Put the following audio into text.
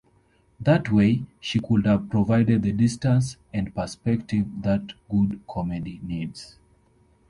That way, she could have provided the distance and perspective that good comedy needs.